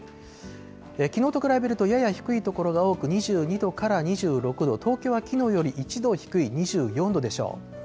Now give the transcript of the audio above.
きのうと比べるとやや低い所が多く２２度から２６度、東京はきのうより１度低い２４度でしょう。